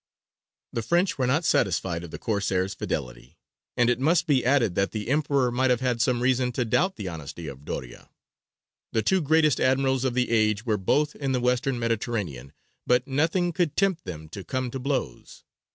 The French were not satisfied of the Corsair's fidelity, and it must be added that the Emperor might have had some reason to doubt the honesty of Doria. The two greatest admirals of the age were both in the Western Mediterranean, but nothing could tempt them to come to blows.